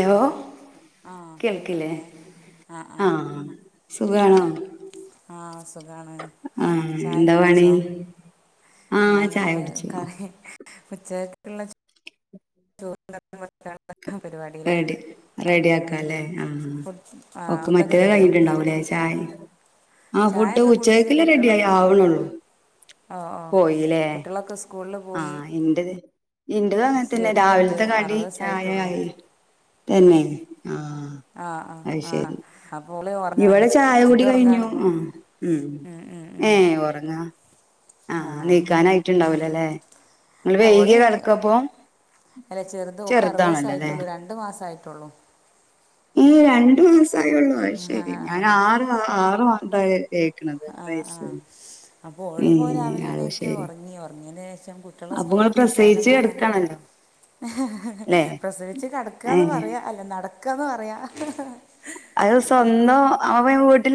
Hello ആഹ കേൾക്കില്ലേ കേൾക്കണല്ലേ ആഹ ആഹ സുഗാണോ ആഹ സുഖാണ് ചായ എന്താ പണി കുടിച്ചോ ആഹ് ഞാന് ചായ കുടിച്ചു കറി ഉച്ചക്കുള്ള [inaudible] പരിപാടിയിലാ റെഡി റെഡി ആക്കാം അല്ലേ ആ ഫുഡ് ആ ഓക്കെ ഫുഡൊക്കെ മറ്റേത് റെഡിയായോ കഴിഞ്ഞിട്ടുണ്ടാ [unintelligible] [unintelligible] ആ ഫുഡ് ചായയൊക്കെ കുടിച്ച് ഉച്ചകക്കില്ലേ റെഡി ആയി കുട്ടികളൊക്കെ ആവണള്ളൂ ഓ ഓ പോയില്ലേ കുട്ടികളൊക്കെ സ്കൂളിൽ ആ പോയി ഇന്റെത് ഇന്റെ അങ്ങന തന്നെ ചെറുതുണ്ട് രാവിലത്തെ കടി അറുപത് ദിവസമായിട്ടുള്ളൂ ചായായി തന്നെ ആഹ് ആ ആ അത് ആ ശരി അപ്പൊ ഇവിടെ ചായ കുടി കഴിഞ്ഞു ആ പിന്നെ ഉം ഉം ഏ ഉം ഉറങ്ങാ ആ നീക്കാനായിട്ടുണ്ടാവൂലല്ലെ നിങ്ങൾ വൈകിയ കിടക്കപ്പ അല്ലെ ചെറുത്ക്ക അറുപതു ദിവസം ആയിട്ടുള്ളു രണ്ടു മാസ ആയിട്ടുള്ളു ഈ രണ്ടു മാസയള്ളൂ ശരി ഞാൻ ആ ആറ് ആറ് വ കേക്കണത് ആ ആ റൈസ് അപ്പോൾ ഓള് ഇപ്പോൾ രാവിലെ അത എണീറ്റ് ശരി ഉറങ്ങി ഉറങ്ങിയതിന് ശേഷം കുട്ടികളെ അപ്പൊങ്ങള് പ്രസയിച്ച് എടുക്കണല്ലോ പ്രസവിച്ചു ഏ കടക്കന്ന് പറയാ അല്ല നടക്കാന്ന് പറയാ [unintelligible]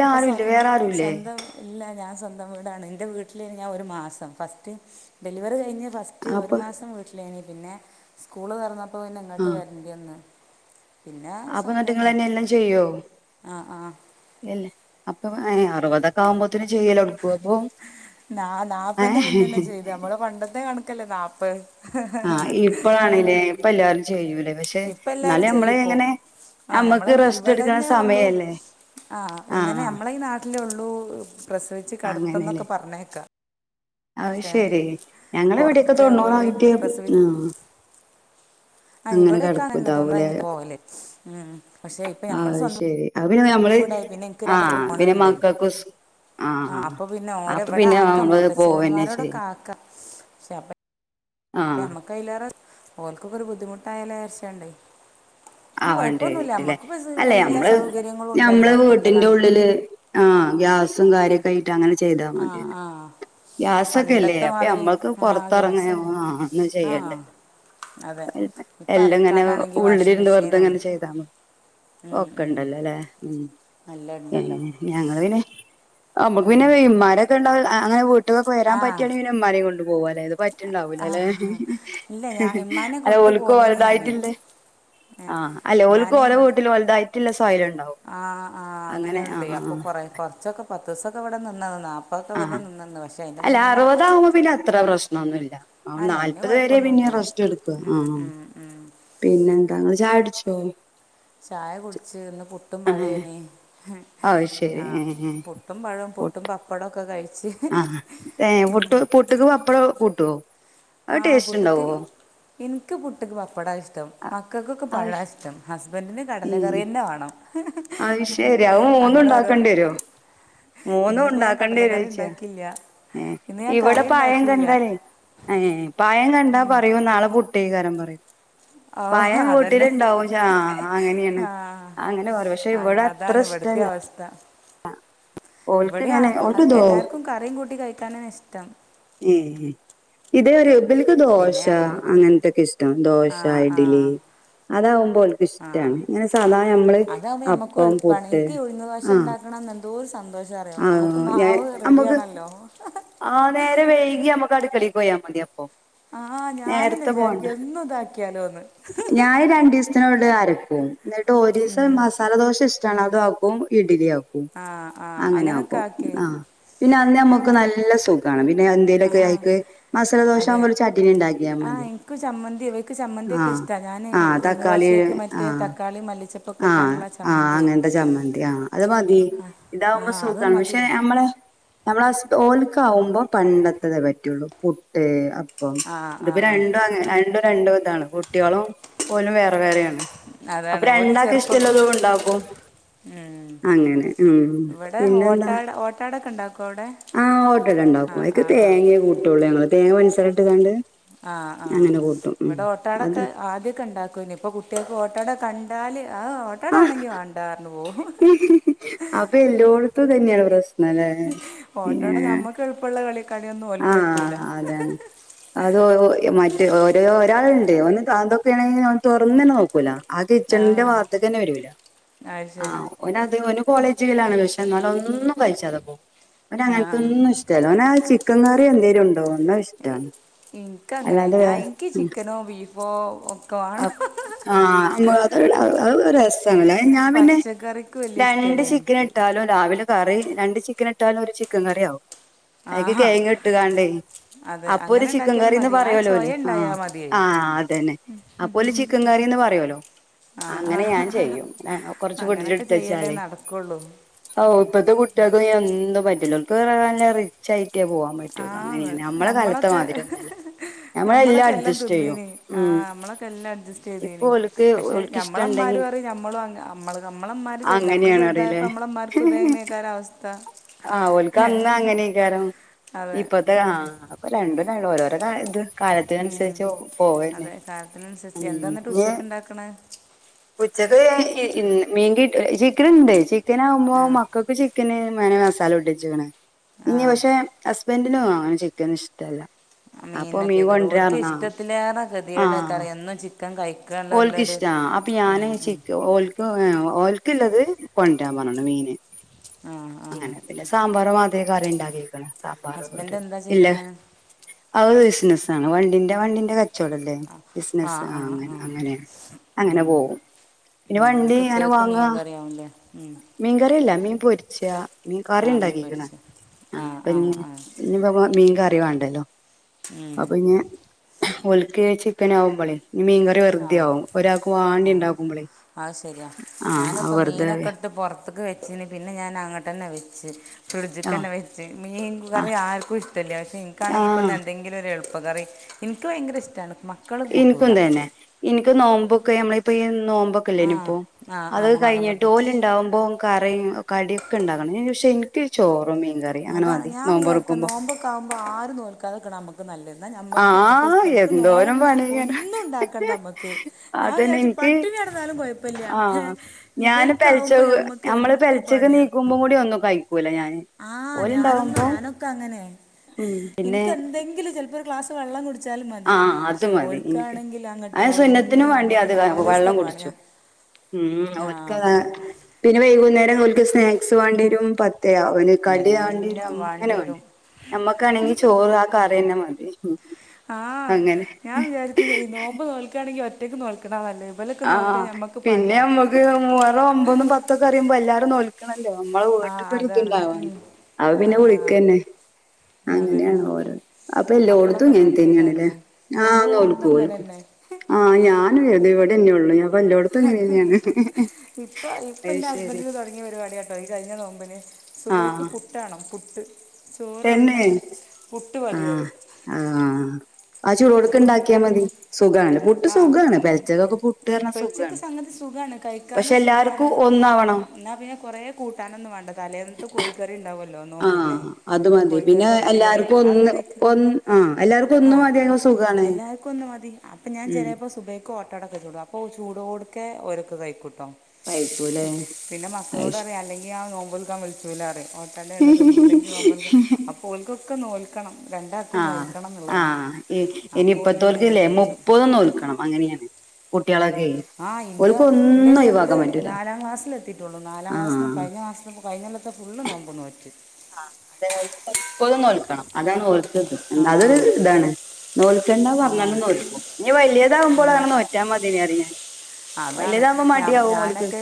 ഇപ്പൊ സ്വ ആരുല്ലേ വേറെ ആരുല്ലേ സ്വന്തം ഇല്ല ഞാൻ സ്വന്തം വീടാണ് എന്റെവീട്ടിൽ ആണുഞൻ ഒരുമാസം ഫസ്റ്റ് ഡെലിവറി കഴിഞ്ഞു ഫസ്റ്റ് ഒരു അപ്പൊ മാസം വീട്ടിലേനി പിന്നെ സ്കൂള് തറന്നപ്പോ പിന്നെ ആ ഇങ്ങോട്ട് വരണ്ടിവന്ന് അപ്പൊ എന്നട്ട്ങ്ങെന്നെ എല്ലാം ചെയ്യോ ആ ആ [unintelligible] അ അറുപതക്കെ ആകുമ്പോത്തന് ചെയ്യ ന ഏ നാപ്പന്റെ മുന്നന്നെ ചെയ്തു നമ്മള് പണ്ടത്തെ കണക്കല്ലേ നാപ്പ് ആഹ ഇപ്പഴാണലേ ഇപ്പ എല്ലാവാരും ചെയ്യൂല പക്ഷെ ഇപ്പം എന്നാല എല്ലാവരും ചെയ്യും നമ്മള് ഇപ്പോൾ എങ്ങനെ ആ നമ്മളെ നമ്മക്ക് റെസ്റ്റ് ഇവിടെ എടുക്കണ തന്നെ ഉള്ളൂ സമയല്ലേ ആ ഇങ്ങനെ ആഹ് ആഹ് നമ്മളെ ഈ നാട്ടിലേ ഉള്ളൂ പ്രസവിച്ച് അങ്ങനെല്ലേ കടത്തന്നൊക്കെ പറഞ്ഞേക്കാ അത് ശെരി ഞങ്ങള ഇവിടയൊക്കെ പുറത്തൊക്കെ പോലെ തൊണ്ണൂറായിട്ട് പ്രസവി ആ ആ ഇവിടെക്കാ [unintelligible] ഇതാവൂലേ കഴിഞ്ഞി പോകലെ മ് പക്ഷെ ഇപ്പൊ മ്മൾ അത് സ്വന്തം ശരി പിന്നെ നമ്മള് വീടായി പിന്നെ എനിക്ക് രണ്ട് ആഹ വീട് പിന്നെ പോണുണ്ടേ മക്കൾക്ക് ആ ആഹ് ആഹ് അപ്പൊ പിന്നെ അപ്പൊ ഓരവിടെ പിന്നെ ആക്കാം നമ്മള് പോവന്നെ മൂത്തച്ഛവന്മാരോടൊക്കെ ചെയ്യും ആക്കാം പെപ്പ ആഹ് നമ്മക്ക്യിലേറെ ഓല്ക്കൊക്കെ ഒരു ബുദ്ധിമുട്ടായാല ആരിച്ചണ്ടേ ആവണ്ടട്ടില്ലേ അല്ലെ എല്ലാ മ്മള് സൗകര്യങ്ങളും ഞമ്മള് ഉണ്ടല്ലോ ഇപ്പോഴത്തെ വീട്ടിന്റെ കൺ ഉള്ളില് ആ ഗ്യാസും കാര്യൊക്കെ ആയിട്ട് അങ്ങനെ ആഹ ആഹ ഗ്യാസൊക്കെല്ലേ അപ്പ നമ്മൾക്ക് പൊറത്തെറങ്ങി ആ ഗ്യാസും ഒന്ന് ആ ചെയ്യണ്ടല്ലോ അതെ ഇപ്പൊ അലക്കാനാണെങ്കി വാഷിംഗ് മെഷീൻ അതങ്ങനെ ചെയ്താമ ഒക്കെ ഇണ്ടല്ലോ അല്ലേ ഉം നല്ല ഉണ്ടല്ലോ ഞങ്ങള് പിന്നെ ആ നമുക്ക് ഉം. പിന്നെ ഉമാരൊക്കെണ്ടാവ അങ്ങെ വീട്ട്ന്നൊക്കെ വരാൻ ആ പറ്റിയാണങ്കിന്നെ ഉമാരും കൊണ്ട് പോക അതായത് ണ്ടാവൂല ആ അല്ലെ ഇല്ല ഞാൻ ഇമ്മാനെ അല്ല കൊണ്ട് ഓൽക്ക് പോന്നീന് ഞാൻ ഓലതായിട്ടില്ലേ ആഹ് അല്ലെ ഓൽക്ക് ഓല വീട്ടിൽ ഓലതായിട്ടില്ല ആഹ് ആ അങ്ങനെയുണ്ട് ആഹ് ആഹ് അപ്പൊ ആഹ് കൊറേ കൊറച്ചൊക്കെ പത്ത് ദിവസൊക്കെ ഇവിടെ നിന്നനാ ആഹ് അല്ല അറുപതാവകുമ്പോ പിന്നെ അത്ര പ്രശ്നൊന്നുമല്ല അല്ല അതിന് നാല്പത് വരെ പിന്നെ കുഴപ്പമൊന്നുമില്ല റസ്റ്റ് എടുക്കുക ഉം, ആ ഉം, ഉം. പിന്നെ എന്താ ങ്ങള് ചായ ടോ ചായ കുടിച്ച് ഇന്ന് പുട്ടും പഴോനി അത് ശരി ഏഹ് പുട്ടും പഴവും പുട്ടും. പപ്പടം ആഹ് ഏ പുട്ട് പുട്ട്ക്ക് പപ്പടം കൂട്ടുവോ അത് ആഹ് ടേസ്റ്റ് പുട്ട്ക്ക് ഉണ്ടാവോ ഇൻക്ക് പുട്ട്ക്ക് പപ്പടാ ഇഷ്‌ടം ഇഷ്ടം മക്കൾക്കൊക്കെ പഴ അത് ഇഷ്ടം ഹസ്ബൻഡറിന് കടല കറി തന്നെ വേണം ആ ശരി അവ അങ്ങനെ ഓരോ മൂന്നുണ്ടാക്കണ്ടി വരോ മൂന്നും ഇന്നിപ്പോൾ ഞാൻ ഉണ്ടാക്കണ്ടി കടലക്കറി ഒരുോച്ച ഉണ്ടാക്കിയില്ല ഏ ഇന്ന് ഞാൻ ഇവിടെ കറി പായം ഉണ്ടാക്കിയില്ല കണ്ടാലേ അ പായം കണ്ടാ പറയൂ നാളെ പുട്ടേ കാരം പറയും ഓ പഴം അതന്നെ വിട്ടിലുണ്ടാവും ആ അങ്ങനെയാണ് ആ അങ്ങനെ ഓരോ അങ്ങ വടെ അതാണ് ഇവിടുത്തെ അത്രഷ്ടല്ല അവസ്ഥ ആ ഇവിടെ ആ- ഓൾക്ക്ങ്ങനെ ഓൽക്ക് ഹ- തോ എല്ലാവർക്കും കറിയും കൂട്ടി കഴിക്കാനാണ് ഇഷ്ടം ഏ ഇതേ ഒരു ബിലക്ക് പിന്നെ ദോശ അമ്മക്ക് അങ്ങനത്തൊക്കെ ഇഷ്ടം ആ ദോശ ആ ഇഡ്ലി അതാവുമ്പോ ഓൽക്ക് ആ ഇഷ്ടമാണ് ഇങ്ങനെ സാധാ നമ്മള് അതാകുമ്പോൾ നമുക്കും അപ്പം എളുപ്പമാണ് പുട്ട് എനിക്ക് ഈ ഉഴുന്ന് ദോശ ആഹ് ഉണ്ടാക്കണം എന്തോ ഒരു സന്തോഷം അറിയോ നമുക്ക് മാവ് റെഡിയ ആണല്ലോ ആഹ് നേരെ വൈകി നമുക്ക് അടുക്കളിക്ക് പോയാൽ മതി അപ്പൊ ആഹ് ഞാനെന്നാ നേരത്തെ പോണ്ട വിചാരിക്കും എന്നും ഇതാക്കിയാലോ ഒന്ന് ട് അരക്കവും എന്നിട്ട് ഒരു ദിവസം മസാലദോശ ഇഷ്ടമാണ് അതാക്കും ഇഡലി ആക്കും ആ ആ അങ്ങനെ അങ്ങനൊക്കെ ആക്കും ആക്കി പിന്നെ അന്നേ നമ്മക്ക് നല്ല സുഖാണ് ആ എന്തേലൊക്കെ ആയിക്ക് മസാല ദോശ അതെ ആകുമ്പോ ചട്ടിനി ഉണ്ടാക്കിയാ ആ മതി എനിക്ക് ചമ്മന്തി ഇവയ്ക്ക് ചമ്മന്തിയൊക്കെ ആഹ് ഇഷ്ടമാണ് ഞാൻ ആഹ് ഉഴുന്ന് തക്കാളി ദോശയ്ക്ക് മറ്റേ ആഹ് തക്കാളി മല്ലിച്ചപ്പൊക്കെ ആഹ് ഇട്ടാണ്ടുള്ള ആഹ് ചമ്മന്തി അങ്ങനത്തെ ചമ്മന്തി ആഹ് അത് മതി ആ ആ ഇതാകുമ്പോ അത് സുഖാണ് മതി പക്ഷെ നമ്മളെ നമ്മളെ ഓൽക്ക് ആവുമ്പോ പണ്ടത്തതേ പറ്റുള്ളൂ പുട്ട് അപ്പം ആ ആ ഇത്പ്പം ആ രണ്ടും രണ്ടും രണ്ടും ഇതാണ് കുട്ട്യാളും നിലും വേറെ വേറേണ് അതാണ് അപ്പം ഓല് രണ്ടാക്കും ചെറുപ്പം ഇഷ്ടള്ളതും ഉണ്ടാക്കും ഉം. അങ്ങനെ ഉം പിന്നെന്താ ടക്കെ ഉണ്ടാക്കും അവിടെ ആഹ് ഓട്ടട ആ ഉണ്ടാക്കും അയ്ക്ക് ആ ആ തേങ്ങേ കൂട്ടുള്ളൂ ഞങ്ങള് തേങ്ങയും മ പൻസാരിട്ട്കാണ്ട് ആഹ് ആഹ് ഇവിടെ ഓട്ടാടൊക്കെ അത് ആദ്യൊക്കെ ഉണ്ടാക്കുംന്ന് ഇപ്പൊ കുട് ട്ട്യാൾക്ക് ഓട്ടാട കണ്ടാൽ ആ ഓട്ടട ആണെങ്കിൽ ആഹ് വണ്ടാർന്ന് പോവും അപ്പൊ എല്ലോടത്തും തന്നെയാണ് പ്രശ്നം അല്ലേ ഏ ഓട്ടാട നമുക്ക് എളുപ്പമുള്ള കളി കളിയൊന്നും ഓൽക്ക് ആഹ് പറ്റൂല അതാണ് അത് മറ്റേ ഓരോ ഒരാളുണ്ട് ഒന്ന്ന്തൊക്കെയാണെങ്കിൽ ഓൻ ത തൊറന്നന്നെ നോക്കൂല ആ കിച്ചണിന്റെ ഭാഗത്ത്ക്ക് തന്നെ വരൂല അത് ശരി ആഹ് ഓന് അധിക കോളേജിലാണ് പക്ഷെ എന്നാലും ഒന്നും കഴിച്ചാതെ പോകും അവന് ആ അങ്ങനത്തെന്നും ഇഷ്ടല്ല ഓനാ അങ്ങാറി എന്തേങ്കലും ഉണ്ടോ ന്നാ ഇഷ്ടമാണ് എനിക്ക് അങ്ങനെ ഞാൻ എനിക്ക് ചിക്കനോ ബീഫോ ഒക്കെ വേണം ആഹ് [unintelligible] ഒരു രസാണേ ഞാൻ പിന്നെ പച്ചക്കറിക്ക് വലിയ രണ്ട് ഇഷ്ടമല്ല ചിക്കൻ എനിക്ക് ഇട്ടാലും രാവിലെ കറി രണ്ട് ചിക്കൻ ഇട്ടാലും ഒരു ചിക്കൻ കറി ആവും അയ്ക്ക് ആഹ്. കെഴങ്ങ് ഇട്ടുങ്ങാണ്ടേ അപ്പൊ ഒരു ചിക്കൻ ഉണ്ടാക്കിയാലും കറിന്ന് മതി ആ പറയലോല്ലേ ചോയ ആ ഉണ്ടായാൽ മതിയേ ആ് അതന്നെ അപ്പൊ ഒരു ചിക്കൻ കറി ന്ന് പറയുല്ലോ ആ ആ. അങ്ങനെ ഞാൻ ചെയ്യും കൊർച്ച് അങ്ങനൊക്കെ ചെയ്യലേ ഫ്രിഡ്ജിലെട്തെച്ചാലേ നടക്കുള്ളൂ ഓ ഇപ്പഴത്തെ കുട്ട്യേക്പിന്നെ എന്തും പറ്റില്ലോൽക്ക് ഇറാനല്ല റിച്ചയിട്ട് ആന്ന് ഞമ്മളൊക്കെ മാതിരി ഒന്നല്ല നമ്മളെല്ലാം ഞമ്മളൊക്കെ എല്ലാം അഡ്ജസ്റ്റ് ചെയ്യും തിന്നീന് ആ ഉം നമ്മളൊക്കെ എല്ലാം അഡ്ജസ്റ്റ് ഇപ്പൊ ചെയ്തേഞ്ഞി ഓൽക്ക് പക്ഷെ ഓൽക്ക് ഇഷ്ടണ്ടെങ്കി നമ്മളെമ്മാര് അറി നമ്മള് അങ്ങ് മ്മള് നമ്മളമാര് ചെ നമ്മള് അങ്ങനെയാണ് അറിയില്ലേ ചെറുതായപ്പോ നമ്മളമാർക്ക് ദേ നേക്കാ അവസ്ഥ ആഹ് ഓൽക്ക് അങ് അങ്ങനെയ്‌ക്കാരം അതെ ഇപ്പത്തെ ആ ഉം. ആപ്പൊ രണ്ടുള്ള ഓരോരോ കാ ഉം അതെ കാലത്തിനനുസരിച്ച് ഉം എന്താന്നട്ട് ഇഞ്ഞ് ഉച്ചക്ക് ഇണ്ടാക്കണെ ഉച്ചക്ക് ബി രാ - കി ഇൻ മീ കി ചിക്കൻ ഉണ്ട് ചിക്കൻ ആകുമ്പോ ആ മക്കൾക്ക് ചിക്കന് മ സ്ഥലംട്ടിച്ചണ് ആ ഇനി പക്ഷെ ഹസ്ബൻഡന്ങ്ങൻ ചിക്കൻ ഇഷ്ടമല്ല മീനൊക്കെകാരം ഓൽക് ഇഷ്ടത്തിലേറെ ഗതിയെഡെകാരം എന്നു ച്ചി ഓൽക് ഇഷ്ടാ അപ്പൊ ഞാാന് ഉം, ഉം. ചിക്ക് ഓൽക്ക് ഓ ഓല്ക് ക്ള്ളത് കൊണ്ട്രാൻ പർഞ്ഞീണ് മീന് ആ ആ അങ്ങനെ പിന്നെ സാമ്പാർ മാ തെ കാരിണ്ടക്കീക്ണ് സാമ്പാറ് തോര് ഹസ്ബൻഡ് എന്താ ഇല്ല ചെയ്യണേ ഓ ബിസിനസാണ് വ വിന്റെ വണ്ടിന്റെ കച്ചവടംല്ലേ ആ ബിസിനസ് ആ അങ്ങനെ അങ്ങനെ പോകും പിന്നെ ഉം വണ്ടി ങ്ങക്ക് ഉചേക്ക് മീൻ കറിയവുംല്ലേ ഉം മീൻ കറിയെല്ല മീൻ പൊരിച്ച മീൻ കറി ആ മീൻ ഉണ്ടാക്കിക്ണ് പൊരിച്ച് ആ അപ ആ ഞ്ഞി ആ ഞ്ഞിപ്പോ മീൻക റി റി വേണ്ടല്ലോ ഉം. അപ്പൊ ഞ് ഓല്ക് ചിക്കാനാഉമ്പള് മീൻ കറി വെറുത ആകും ഒരാൾക്ക് വാണ്ടി ണ്ടാക്കുമ്പളേ അ ശരിയാ ഞാനിപ്പ മീനൊക്കെ എടുത്ത് പുൊറത്ക്ക് വെചിന് പിന്നെ ഞാൻ അങ്ങട്ട് തന്നെ വെച്ച് ഫ്രിഡ്ജ് ആ കെന്നെ വെച്ച് ആ മീൻകറി ആർക്കും ഇഷ്ടല്ല പക്ഷെ ഇൻക്കാണെങ്കിൽ ഇപ്പൊ ആ എന്തെങ്കിലും ഒരു എളുപ്പം പ്പ കറി ഇൻക്ക് ഭയങ്കര ഇഷ്ടണ് ഇൻക്കും തന്നെ ഇൻക്ക് നോമ്പൊക്കെ നഞമ്മള ഇപ്പോ ഈ ആ നോമ്പൊക്കെല്ലേനി ഇപ്പോ ആ ആ അത് മുഹറം കഴിഞ്ഞിട്ട് പത്ത് ഓലണ്ടാവുമ്പോം കറി കടിയൊക്കെ ഉണ്ടാകണം ങ്ക് പശെ എൻക്ക് ചോറും മീൻകറി അങ്ങനെ അതാണ് മതി ഞാൻ വിചാരിക്ക നോമ്പൊറക്കുമ്പോ നോമ്പൊക്ക ആകുമ്പോ ആരും നോൽക്കാതെക്ണ നമക്ക് നല്ലത് ആ എന്നനമ്മക്ക് മ്മക്ക് ഇഷ്‌ നമക്ക് നോ എന്തോരം പണിങ്ങനെ ഒന്നും ഉണ്ടാക്കണ്ട നമ്മക്ക് ഞാൻ അതന്നെ വിചാ എനിക്ക് പട്ടി കടന്നാലും കുഴപ്പല്ല ആ ഏ ഞാന് ഇവൽക് പെൽച്ച ആവുമ്പോ ഞമ്മക്ക് നമ്മള് പെൽച്ചക്ക് ഇരട്ടിപ്പണിയാ നീക്കുമ്പോ കൂടി ഒന്നും കഴിക്കൂല ഞാന് ആ ഞാനൊന്നാ ഓലുണ്ടാവുമ്പോ ഞാനൊക്കെ അങ്ങനെ ഉം ഇൻക്ക് എന്തെങ്കിലും ചിലപ്പോ ഒരു ക്ലാസ് വെള്ളം കു ച്ചാൽ മതി ആ അത് പക്ഷെ മതി ഒൽക്ക എനിക്ക് ആണെങ്കിൽ ആ അങ്ങട്ട് ഒരുങ്ങി സുന്നത്തിനും വേണ്ടി നമ്മക്ക് അത് നാലീസ്ത്തെ വെള്ളം പാണിയാ കുടിച്ചും ഉം ഓല്ക്കതാ പിന്നെ വൈകുന്നേരം ഓൽക്ക് സ്നാക്സ് വേണ്ടി വരും തെ അവന് കടി താണ്ടിരും എല്ലാം അങ്ങനെ വാണ്ടിയരും വേണ്ട്യരു നമ്മക്കാണെങ്കിൽ ചോറ് ആ കറി ന്നെ മതി [unintelligible] ആഹ് അങ്ങനെ ഞാൻ വിചാരിക്കുന്നു ഈ നോമ്പ് നോൽക്കണെങ്കിൽ ഒറ്റയ്ക്ക് നോൽക്കണ നല്ലത്ത് ആഹ് പിന്നെ നമ്മക്ക് മൂഹറോ ഒമ്പതും പത്തൊക്കെ അറിയുമ്പോ എല്ലാരും നോൽക്കണ ല്ല നമ്മളെ ആഹ് വീട്ടക്ക അതാണ് ഇതുണ്ടാവ ഉം അവ പിന്നെ ആഹ് ആഹ് വിളിക്കന്നെ അതെ അങ്ങനെയാണ് ഓരോ അപ്പ എല്ല കൊടുത്തു മക്കളൊക്കെ ഇങ്ങനെത്തന്നെയാണല്ലേ നോൽക്കേക്കാരല്ലേ ആഹ്നോൽക്കൂ എല്ലോട്ത്തും ഓൽക്കൂ ഇങ്ങനെന്നെ ആഹ് ഞാനും എതെ ഇവിടെന്നെ ഉള്ളു അപ്പൊ എല്ലോട്ത്തും ഇങ്ങനെന്നെയാണ് ഇപ്പൊ ഇപ്പൊ എന്റെ അയ്ശരി ഹസ്ബൻറിന് തുടങ്ങിയ പരിപാടിയാട്ടോ ഈ കഴിഞ്ഞ തോമ്പന്െ സുബയ്ക്ക് ആഹ് പുട്ടണം പുട്ട് ചോറ് വേണ്ട തന്നെ പുട്ട് ആ മതി അത് ആഹ് ആ ചൂടോടൊക്കെ ഇണ്ടാക്കിയാൽ മതി സുഖാണ് പുട്ട് ആ സുഖണ് ഉം. പെൽച്ചക്കൊക്കെ പുട്ട് ർഞ ഇപ്പോഴത്തേക്ക് സുഖണ് സംഗതി പക്ഷെ എല്ലാർക്കുംഒന്ന് എന്നാ പിന്നെ കൊറെ കൂട്ടാനൊന്നും വേണ്ട തലേന്നത്ത് കോയികറി ഉണ്ടാവുല്ലോ ആഹ് അത് മതി പിന്നെ എല്ലാർക്കും ആ ഒന്ന് കറിക്ക് ഒ ആ എല്ലാവർക്കും ഒന്ന് മതി സുഖ എല്ലാർക്കും ഒന്നു മതി പ്പോ ഞാൻ ചെലേപ്പോ സുബേയ്ക്ക് ഓട്ടടൊക്കെ ചൂടും അപ്പോ ഓൽ ചൂടോട്ക്കെ ഓരൊക്കെ കഴിക്കും ട്ടോ കഴിക്കും പിന്നെ മക്കളോട് അറിം അല്ലെങ്കി ആ നോമ്പോൽക്കാൻ വിളിച്ചൂലാറിം ഓട്ടടേണ് തിന്നൂല്ലെങ്കി നോമ്പോൽക്കാൻ അപ്പോ ഓൽക്കൊക്കെ നോൽക്കണം. രണ്ടാൾക്കും ആഹ് നോൽക്കണം എന്നുള്ളതാണ് ആഹ് ഇ അപ്പോൾ ഓല് ഇനിയിപ്പത്ത ഇങ്ങനെ ഓൽക്കില്ലേ നീച്ചു മുപ്പതും നോൽ [unintelligible] അങ്ങനെയാണ് ഒ ആഹ് ഇന്റ ഇന്റെ ചെറുത് ഒഴിവാക്കാൻ പറ്റൂല നാലാം ക്ലാസ്സില് എത്തീട്ടുള്ളൂ നാലാം ക്ലാസ്സിന്ന് ആഹ് കഴിഞ്ഞ മാസത്തെ ബു കയിഞ്ഞ കൊല്ലത്തെ ഫുള്ള് നോമ്പും നോറ്റ് ആഹ് അതന്നെ ഓൽക്ക് മുപ്പതും നോൽക്കണം അതാണ് ഓൽക്ക്ത് ആ എന്നാ അതൊരു ഇതാണ് നോൽ [unintelligible] പറഞ്ഞാലും ആ നോൽക്കും ഇനി വലിയതാവുമ്പോ അത് അങ്ങ് നോറ്റാ മതീന്ന് ഞാൻ പറയും ഞാൻ അതാണ് വലിയതാകുമ്പോ ഞാ മടിയാവും ഓൽക്ക് ഞാനക്കെ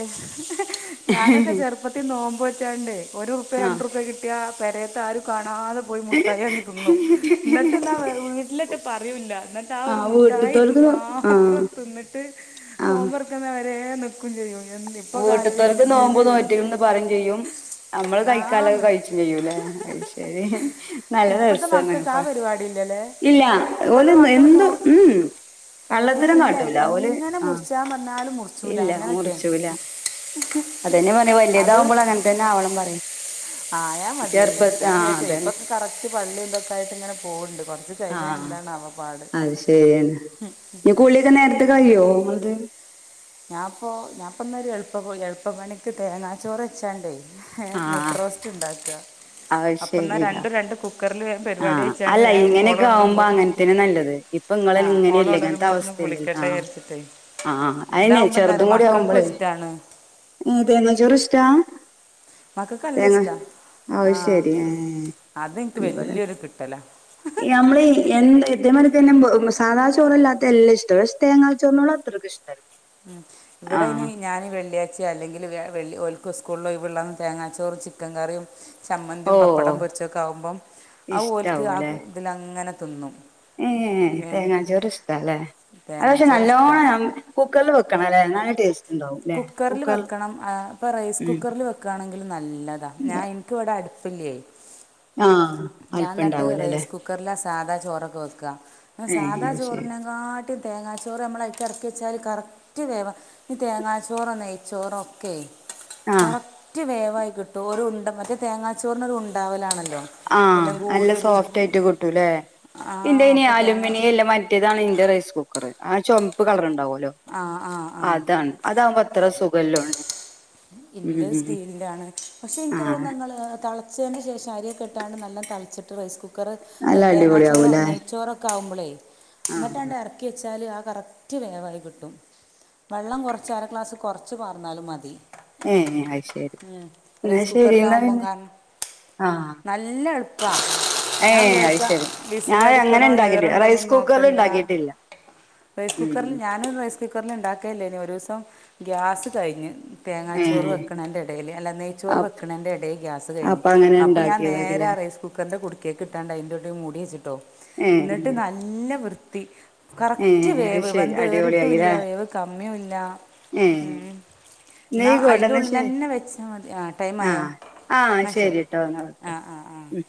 ഞാനൊക്കെ ചെറുപ്പത്തി നോമ്പ് നോറ്റോണ്ടേ ഒരു റുപ്യ രണ്ട് ആഹ് റുപ്യ കിട്ടിയ പേരെത്ത ആരും കാ [unintelligible] പോയി മുട്ടായി വാങ്ങി തിന്നും എന്നിട്ട് എന്താ [unintelligible] വീട്ടിലൊട്ട് പറയൂല്ല എന്നിട്ട് ആ ഒരു ആഹ് മുട്ടായി വീട്ട്ത്തോൽക്ക് ആഹ് മാത്രം തിന്നിട്ട് നോമ്പ് തൊറക്കുന്നവരേ നിക്കും ചെയ്യും എന്ത് ഇപ്പൊ വീട്ട്ത്ത ഓൽക്ക് ആലോചിക്കുമ്പോൾ നോമ്പ് ചിരി വരും നോറ്റ്ക്കണ് എന്ന് പറയും ചെയ്യും അമ്മള് കഴിക്കാൻ ഒള്ളത് ആന്ന് കഴിച്ചും ചെയ്യൂലേ അയ് ശരി നല്ല ഇപ്പത്തെ രസോണ് മക്കൾക്ക് ആ ഇപ്പ പരിപാടി ഇല്ലല്ലേ ഇല്ലാ ഓല് ഇപ്പത്തെ എന്ന് മക്കൾ നോ എന്നും മ്ഹ് ഏ കള്ളത്തരം ഇല്ല കാട്ടൂല ഓല് എങ്ങനെ ആഹ് മുറിച്ചാൻ പറഞ്ഞാലും മുറിച്ചൂല ഇല്ല അങ്ങനൊക്കെ മുറിച്ചൂല അതെന്നെ പറഞ്ഞത് വല്ല്യതാവുമ്പള് അത് അങ്ങനെ തന്നെ ആവണം പറയും ആയാ മതിയായിരുന്നു ചെറുപ്പത്ത് ഞാൻ ആ വിചാരിച്ചു അതന്നെ ഇപ്പൊക്കെ കറക്റ്റ് പള്ളി ഇതൊക്കെ ആയിട്ട് ഇങ്ങനെ പോകുണ്ട് കൊറച്ച് കഴിഞ്ഞാ ആഹ് അത് ശരിയാണ് ഇനി കുളിയൊക്കെ നേരത്തെ കഴിയോ ഇങ്ങളത് ഞാപ്പോ ഞാപ്പന്നൊരു എളുപ്പ പ എളുപ്പ പണിക്ക് തേങ്ങാ ചോറ് വച്ചാണ്ടേ ഏഹ് ആ മുട്ട റോസ്റ്റ് ഉണ്ടാക്കുക അത് അപ്പ എന്നാ ശരിയാ രണ്ടും രണ്ട് കു കുക്കറില് വേഗം ആ പരിപാടി കൈച്ചാണ്ട് അല്ല വേഗം ഓള് ഇങ്ങനെയൊക്കെ ആവുമ്പോ ഒണരുമ്പോത്തിനും അങ്ങനത്തന്നെ നല്ലത് ഇപ്പൊ ഇങ്ങളെ ആ ഓള് ഇങ്ങനെയല്ലേ ഒണരുമ്പോത്തിനും- കുളിക്കട്ടെന്ന് വിചാരിച്ചിട്ടേ ആഹ് അയിനെ ഇതാവുമ്പോൾ എന്താ ചെറുതും പറയുക കൂടി മക്കൾക്കും ആവുമ്പോളേ ഇഷ്ടമാണ് ഏ തേങ്ങാചോറ് ഇഷ്ട മക്കൾക്ക് നല്ല തേങ്ങ ഇഷ്ടമാണ് ആ അത്ശരി ആ അതെനിക്ക് ഇവിടെ- വലിയൊരു കിട്ടലാണ് നമ്മളീ എന്ത്‌- ഇതേമാരി തന്നെ സാതാ ചോറല്ലാത്ത എല്ലാ ഇഷ്ടാ പക്ഷേ തേങ്ങാ ചോറിനോട് അത്രക്ക് ഇഷ്ടല്ല ആ ഇവിടെ ഇനി ഞാന് വെള്ളിയാഴച്ച അല്ലെങ്കില് വ്യാ വെള്ളി ഓൽക്ക് സ്കൂളിന് ഒഴിവുള്ള അന്ന് തേങ്ങാച്ചോറും ചിക്കൻ കറിയും- ചമ്മന്തിയും ഓ പപ്പടം പൊരിച്ചൊക്കെ ആകുമ്പം അത് ഓൽക്ക് ഇഷ്ടാവൂലേ അത് ഇതിലങ്ങനെ തിന്നും ഏ ഏ തേങ്ങാ ചോറ് ഇഷ്ടാല്ലേ അത് പക്ഷേ തേങ്ങാച്ചോറ് ഇഷ്ടമാണ് നല്ലോണം കുക്കറില് വെക്ക- വെക്കണംയില്ലേ എന്നാലെ ടേസ്റ്റ്- ഉണ്ടാവും ല്ലെ കുക്കറില് കുക്കർ വെക്കണം ആ ഇപ്പൊ റൈസ് ഉം കുക്കറില് വെക്കാണെങ്കിലും നല്ലതാ ഞാൻ ഇൻക്ക് ഇവിടെ അടു ഇല്ലേയ് ആഹ് ഞാൻ എന്നിട്ട് അല്പണ്ടാവൂലല്ലേ റൈസ് കുക്കറില്- സാധാ ചോറൊക്കെ വെക്കുക ഏ സാധാ അത് ശരി ചോറിനെ കാട്ടി ഈ തേങ്ങാച്ചോറ് നമ്മളയ്ക്ക് എറക്കി വെച്ചാല് കറക്റ്റ് വേവാ ഈ തേങ്ങാ ചോറോ നെയ്‌ച്ചോറോ ഒക്കെ ആഹ് കറക്റ്റ് വേവാ- വായി കിട്ടും ഒരു ഉണ്ട മറ്റേ തേങ്ങാച്ചോറിനൊരു ഉണ്ടാവലാണല്ലോ ആ എല്ലാം നല്ല കൂടി ഒരു സോഫ്റ്റ് ആയിട്ട് കിട്ടൂല്ലേ ആ എന്റെ ഇനി അപ്പോൾ തേങ്ങാ അലൂമിനിയം ഇല്ല മറ്റേതാണ് ഇന്റെ റൈസ് കുക്കറ് ആഹ് ചോമപ്പ് കളറുണ്ടാവല്ലോ ആ ആ ആ അതാണ് അതാവുമ്പോ അത്ര സുഖല്ലോന്ന് എന്റെ സ്റ്റീൽലിലാണ് പക്ഷേ എനിക്ക് ആഹ് തോന്നുന്നു നിങ്ങള് തെള - ച്ചതിന് ശേഷം അരിയൊക്കെ ഇട്ടാണ്ട് നല്ല തെളച്ചിട്ട് റൈസ് കുക്കർ നല്ല കുക്കറ് തേങ്ങാച്ചോറോ അടിപൊളിയാവൂലേ നെയ്ച്ചോറൊക്കെ ആവുമ്പളേ ആഹ് എന്നിട്ടാണ്ട് എറക്കി- ച്ചാല് ആ കറക്റ്റ് വേവായിക്കിട്ടും വെള്ളം കൊറച്ച് അരക്ലാസ്സ് കൊർച്ച് പാർന്നാലും മതി ഏ അയ്ശരി ഉം. എന്നാ റൈസ് ശരി എന്നാ കുക്കറിലാവുമ്പം പിന്നെ- കാരണം ആഹ് നല്ല എളുപ്പ് ഏ ഞാൻ അത് വിചാരിച്ചാ ശരി വിസിൽ ഞാൻ അങ്ങനെ അടിക്കണോ ഉണ്ടാക്കിട്ട് റൈസ് ഏറ്ണ്ടോന്നൊന്നും കുക്കറിൽ നോക്കണ്ട. ഉണ്ടാക്കിയിട്ടില്ല റൈസ് ഉം കുക്കറില് ഞാന് റൈസ് കുക്കറില് ഇണ്ടാക്കലില്ലേനി ഒരൂസം ഗ്യാസ് കഴിഞ്ഞ് ഏ തേങ്ങാച്ചോറ് വെക്കണേന്റെ എടേല് അല്ല നെയ്ച്ചോറ് അപ് വെക്കണൻ്റെ എടേല് ഗ്യാസ് കയിഞ്ഞ് അപ്പൊ അങ്ങനെ അപ്പൊ ഞാൻ നേരെ ഉണ്ടാക്കിയതാക്കല്ലേ റൈസ്കുക്കറിന്റെ കുട് [unintelligible] കിട്ടാണ്ട അതിന്റെഉള്ളിൽ മൂടി വച്ചിട്ടോ ഏ ന്നിട്ട് നല്ല വൃത്തി കറ ഏ കറക്റ്റ് അത് വേവ് ശരി വെന്ത് ഏറിട്ടുല്ല അടിപൊളിയായില്ലേ വേവ് കമ്മിയൂല്ല ഏ മ് നീ ന്നാ അയിന്റെ കൊടന്ന ശരി ഉള്ളിലെന്നെ വെച്ചാ മതി ആ ടൈം ആയോ ആ എന്നാൽ ശരി ശരിട്ടോ എന്നാ വെക്കാം ആഹ ആഹ ഉം